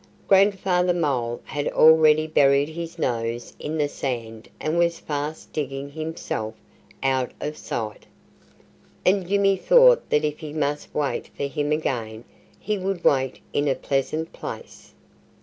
Grandfather Mole had already buried his nose in the sand and was fast digging himself out of sight. And Jimmy thought that if he must wait for him again he would wait in a pleasant place.